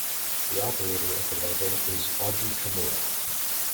The operator of the label is Audrey Kimura.